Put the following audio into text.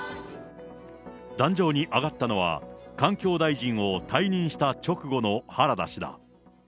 壇上に上がったのは、環境大臣を退任した直後の原田氏だ。